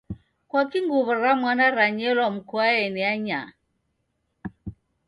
Kwakii nguw'o ra mwana ranyelwa mukoaeni ainyaa?